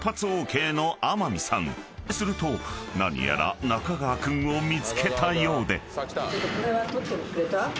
［すると何やら中川君を見つけたようで］